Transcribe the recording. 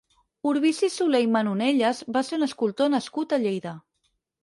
Urbici Soler i Manonelles va ser un escultor nascut a Lleida.